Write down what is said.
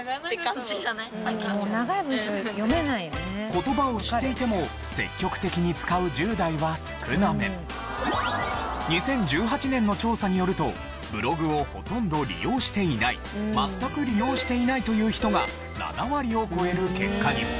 言葉を知っていても２０１８年の調査によるとブログをほとんど利用していない全く利用していないという人が７割を超える結果に。